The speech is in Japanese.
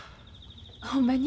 ほんまに？